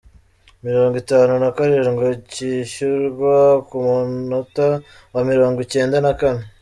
Mirongo itanu na karindwi, cyishyurwa ku munota wa mirongo icyenda na kane